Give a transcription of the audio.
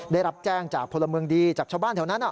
ได้รับแจ้งจากพลเมืองดีจากชาวบ้านแถวนั้น